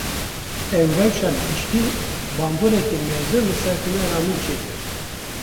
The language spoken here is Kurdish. Ev rewşa giştî, bandoreke mezin li ser hunera min çêkir